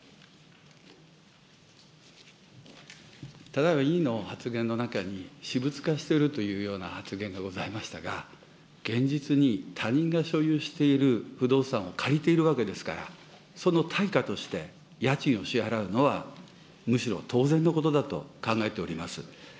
ただいま委員の発言の中に、私物化しているというような発言がございましたが、現実に他人が所有している不動産を借りているわけですから、その対価として、家賃を支払うのは、むしろ当然のことだと考えております。